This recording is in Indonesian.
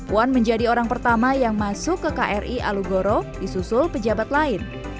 wan menjadi orang pertama yang masuk ke kri alugoro disusul pejabat lain